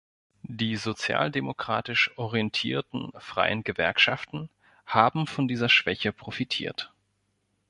Die sozialdemokratisch orientierten freien Gewerkschaften haben von dieser Schwäche profitiert.